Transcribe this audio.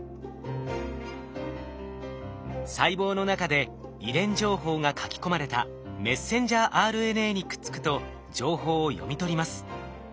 細胞の中で遺伝情報が書き込まれたメッセンジャーＲＮＡにくっつくと情報を読み取ります。